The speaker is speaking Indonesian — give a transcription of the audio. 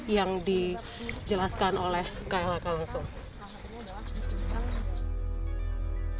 yang dijelaskan oleh klhk langsung